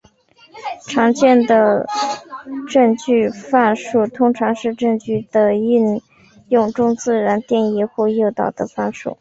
常见的矩阵范数通常是在矩阵的应用中自然定义或诱导的范数。